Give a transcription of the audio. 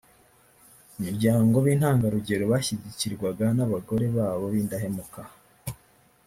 imiryango b intangarugero bashyigikirwaga n abagore babo b indahemuka